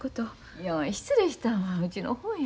いや失礼したんはうちの方や。